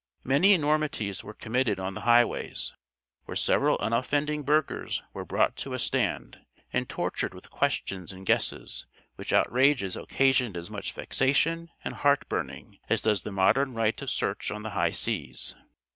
Many enormities were committed on the highways, where several unoffending burghers were brought to a stand, and tortured with questions and guesses, which outrages occasioned as much vexation and heart burning as does the modern right of search on the high seas.